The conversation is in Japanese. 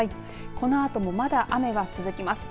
このあともまだ雨が続きます。